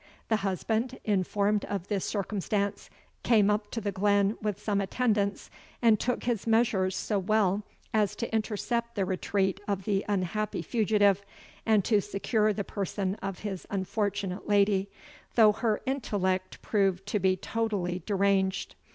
The husband, informed of this circumstance, came up to the glen with some attendants, and took his measures so well as to intercept the retreat of the unhappy fugitive, and to secure the person of his unfortunate lady, though her intellect proved to be totally deranged.